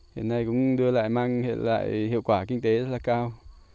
hiện nay cũng đưa lại mang hiện lại hiệu quả kinh tế rất là cao